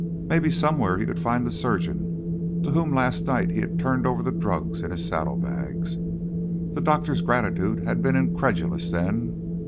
Maybe somewhere he could find the surgeon to whom last night he had turned over the drugs in his saddlebags. The doctor's gratitude had been incredulous then.